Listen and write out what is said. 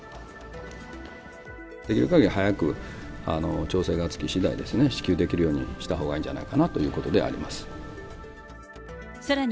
できるかぎり早く調整がつきしだいですね、支給できるようにしたほうがいいんじゃないかなということでありさらに